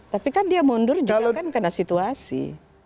tapi kan dia mundur juga kan karena situasi